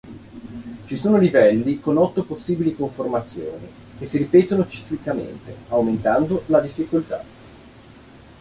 Ci sono livelli con otto possibili conformazioni che si ripetono ciclicamente, aumentando la difficoltà.